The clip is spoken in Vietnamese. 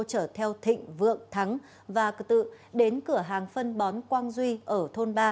trở theo thịnh vượng thắng và cờ tự đến cửa hàng phân bón quang duy ở thôn ba